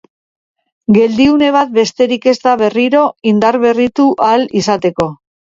Geldiune bat besterik ez da berriro indaberritu ahal izateko.